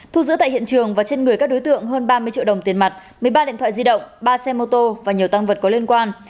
thu giữ tại hiện trường và trên người các đối tượng hơn ba mươi triệu đồng tiền mặt một mươi ba điện thoại di động ba xe mô tô và nhiều tăng vật có liên quan